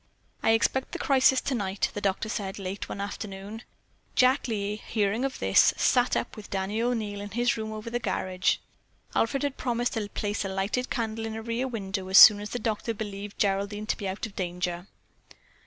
"I expect the crisis tonight," the doctor said late one afternoon. Jack Lee, hearing of this, sat up with Danny O'Neil in his room over the garage. Alfred had promised to place a lighted candle in a rear window as soon as the doctor believed Geraldine to be out of danger.